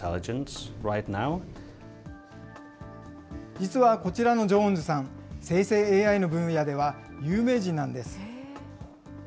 実はこちらのジョーンズさん、生成ＡＩの分野では有名人なんです。